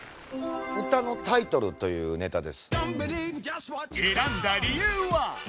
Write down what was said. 「歌のタイトル」というネタです選んだ理由は？